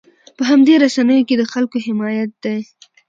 په همدې رسنیو کې د خلکو حمایت دی.